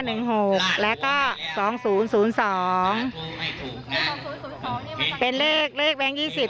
หนึ่งหกแล้วก็สองศูนย์ศูนย์สองเป็นเลขเลขแบงค์ยี่สิบ